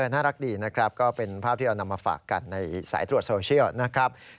น่ารักดีนะครับก็เป็นภาพที่เรานำมาฝากกันในสายตรวจโซเชียลนะครับ